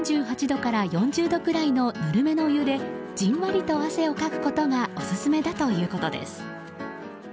３８度から４０度くらいのぬるめのお湯でじんわりと汗をかくことがオススメだということです。